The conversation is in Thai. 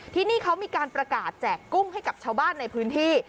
ที่นี่เขามีการประกาศแจกกุ้งให้กับชาวบ้านในพื้นที่